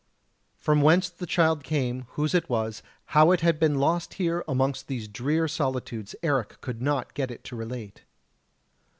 From whence the child came, whose it was, how it had been lost here amongst these drear solitudes Eric could not get it to relate.